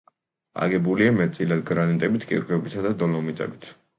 აგებულია მეტწილად გრანიტებით, კირქვებითა და დოლომიტებით.